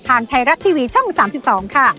ทางไทยรัฐทีวีช่อง๓๒ค่ะ